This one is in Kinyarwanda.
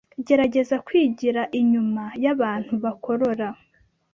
Gerageza kwigira inyuma y'abantu bakorora